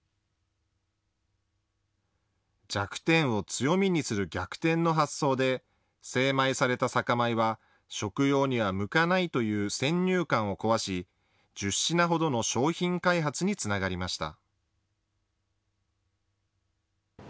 弱点を強みにする逆転の発想で精米された酒米は、食用には向かないという先入観を壊し、１０品ほどの商品開発につながりました。